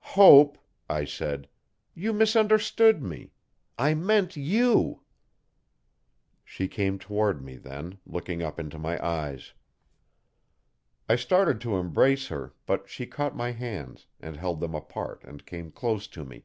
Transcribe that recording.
'Hope,' I said, 'you misunderstood me; I meant you. She came toward me, then, looking up into my eyes. I started to embrace her but she caught my hands and held them apart and came close to me.